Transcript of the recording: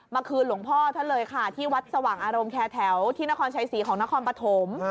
คืนหลวงพ่อท่านเลยค่ะที่วัดสว่างอารมณ์แคร์แถวที่นครชัยศรีของนครปฐม